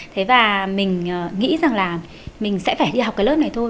thế và mình nghĩ rằng là mình sẽ phải đi học cái lớp này thôi